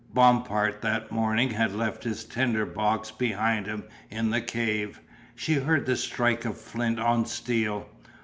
Bompard that morning had left his tinder box behind him in the cave, she heard the strike of flint on steel.